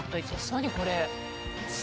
何これ？